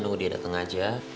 tunggu dia datang aja